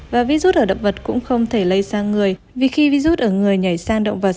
và virus hở động vật cũng không thể lây sang người vì khi virus ở người nhảy sang động vật